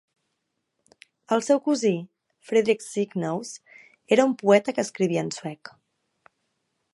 El seu cosí, Fredrik Cygnaeus, era un poeta que escrivia en suec.